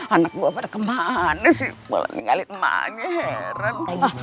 anak gue pada kemana sih boleh tinggalin emaknya heran